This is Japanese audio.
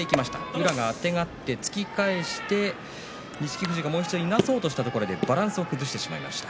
宇良があてがって突き返して錦富士がいなそうとしたところでバランスを崩してしまいました。